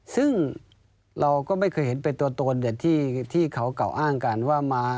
ซึ่งเราก็ไม่เคยเห็นเป็นตัวตนที่เขากล่าวอ้างกันว่ามา